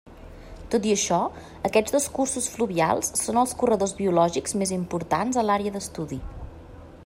Tot i això, aquests dos cursos fluvials són els corredors biològics més importants a l'àrea d'estudi.